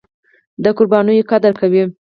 د قربانیو قدر کوي.